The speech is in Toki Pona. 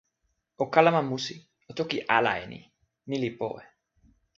o kalama musi. o toki ala e ni: ni li powe.